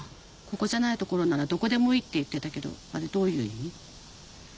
ここじゃない所ならどこでもいいって言ってたけどあれどういう意味？